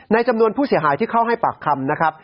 จำนวนผู้เสียหายที่เข้าให้ปากคำนะครับ